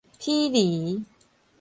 鄙厘